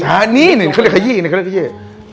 จ้านี่นะเขาเรียกไขวี้